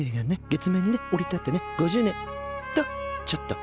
月面にね降り立ってね５０年。とちょっと。